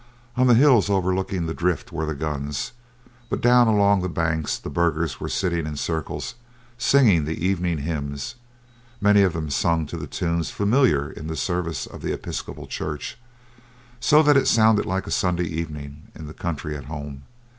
On the hills overlooking the drift were the guns, but down along the banks the burghers were sitting in circles singing the evening hymns, many of them sung to the tunes familiar in the service of the Episcopal Church, so that it sounded like a Sunday evening in the country at home.